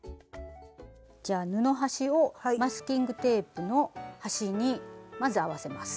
じゃあ布端をマスキングテープの端にまず合わせます。